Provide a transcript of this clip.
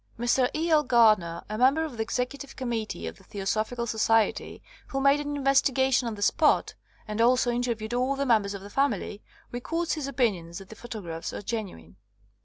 Mr. E. L. Gardner, a member of the Executive Com mittee of the Theosophical Society, who made an investigation on the spot and also interviewed all the members of the family, records his opinion that the photographs are genuine.